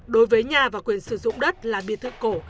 đối với nhà và quyền sử dụng đất là biệt thước cổ